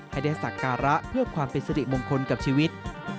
ให้ได้สักการะเพื่อความเป็นสิริมงคลกับชีวิต